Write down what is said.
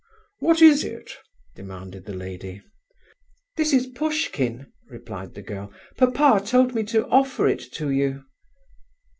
"What is it?" demanded the lady. "This is Pushkin," replied the girl. "Papa told me to offer it to you."